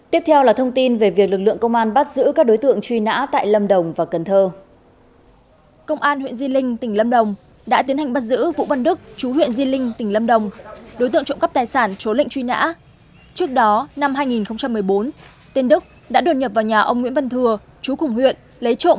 tiếp theo là thông tin về việc lực lượng công an bắt giữ các đối tượng truy nã tại lâm đồng và cần thơ